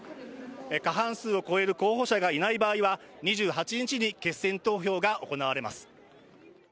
過半数を超える候補者がいない場合は２８日に決選投票が行われます。